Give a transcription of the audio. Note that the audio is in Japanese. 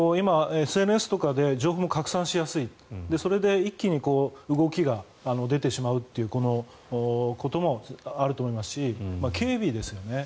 今、ＳＮＳとかで情報も拡散しやすいそれで一気に動きが出てしまうということもあると思いますし警備ですよね。